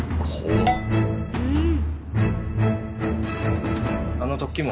うん。